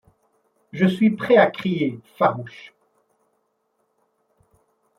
Je suis prêt à crier, farouche :